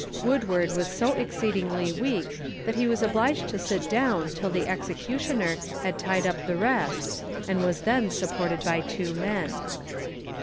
Woodward was so exceedingly weak, that he was obliged to sit down till the executioneer had tied up the rest, and was then supported by two men.